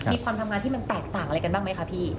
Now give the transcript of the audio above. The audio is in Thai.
มีความทำงานที่มันแตกต่างอะไรกันบ้างไหมคะพี่